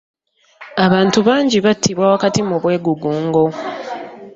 Abantu bangi battibwa wakati mu bwegugungo.